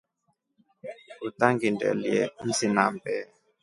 Utangindelye msinambe.